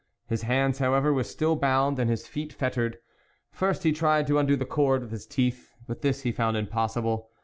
His hands however were still bound, and his feet fettered. First he tried to undo the cord with his teeth, but this he found impossible.